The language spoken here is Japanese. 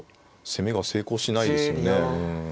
攻めが成功しないですよね。